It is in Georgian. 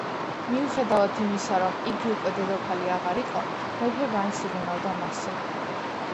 მიუხედავად იმისა, რომ იგი უკვე დედოფალი აღარ იყო, მეფე მაინც ზრუნავდა მასზე.